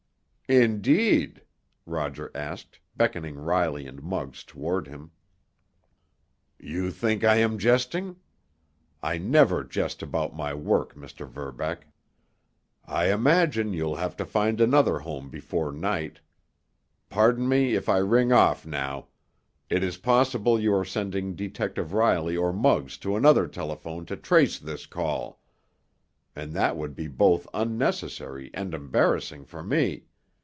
"Indeed?" Roger asked, beckoning Riley and Muggs toward him. "You think I am jesting? I never jest about my work, Mr. Verbeck. I imagine you'll have to find another home before night. Pardon me if I ring off now. It is possible you are sending Detective Riley or Muggs to another telephone to trace this call. And that would be both unnecessary and embarrassing for me.